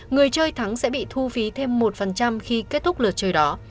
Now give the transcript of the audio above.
người chơi thắng sẽ bị thu phí thêm một khi kết thúc lượt chơi đó